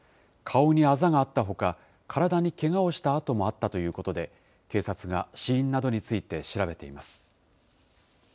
顔にあざがあったほか、体にけがをした痕もあったということで、警察が死因などについて調べています。